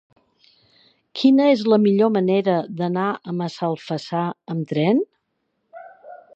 Quina és la millor manera d'anar a Massalfassar amb tren?